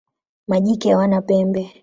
Majike hawana pembe.